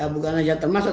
bukan saja termasuk